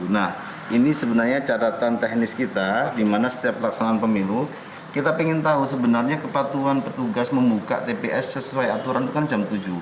nah ini sebenarnya catatan teknis kita di mana setiap laksanaan pemilu kita ingin tahu sebenarnya kepatuhan petugas membuka tps sesuai aturan itu kan jam tujuh